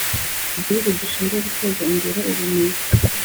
igihugu gishinzwe guteza imbere ubumenyi ngiro